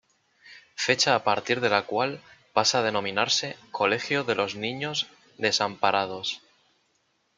Fecha a partir de la cual pasa a denominarse "Colegio de los Niños Desamparados".